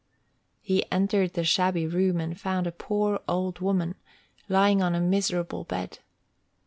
He entered the shabby room, and found a poor old woman, lying on a miserable bed.